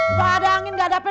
gak ada angin gak ada apen